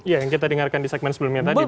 ya yang kita dengarkan di segmen sebelumnya tadi